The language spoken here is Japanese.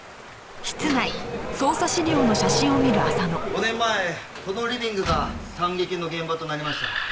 ５年前このリビングが惨劇の現場となりました。